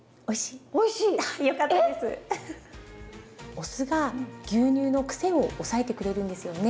お酢が牛乳のクセを抑えてくれるんですよね。